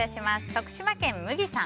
徳島県の方。